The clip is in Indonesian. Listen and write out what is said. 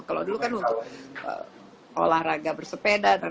kalau dulu kan untuk olahraga bersepeda